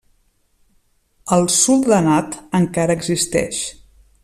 El soldanat encara existeix.